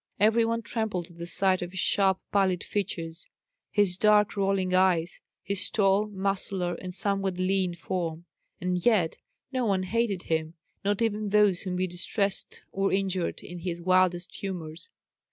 Every one trembled at the sight of his sharp pallid features, his dark rolling eyes, his tall, muscular, and somewhat lean form; and yet no one hated him not even those whom he distressed or injured in his wildest humours.